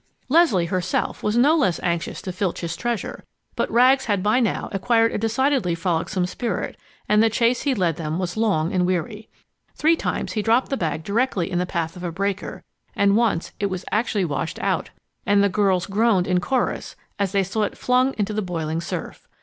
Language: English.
Leslie herself was no less anxious to filch his treasure, but Rags had by now acquired a decidedly frolicsome spirit, and the chase he led them was long and weary. Three times he dropped the bag directly in the path of a breaker, and once it was actually washed out, and the girls groaned in chorus as they saw it flung into the boiling surf.